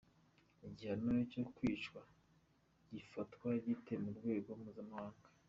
Igihano cyo kwicwa gifatwa gite mu rwego mpuzamahanga?.